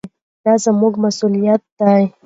دا زموږ مسؤلیت دی.